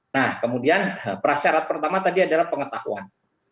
nah kemudian prasyarat pertama tadi adalah pengetahuan